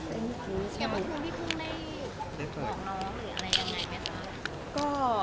สวัสดีคุณครับ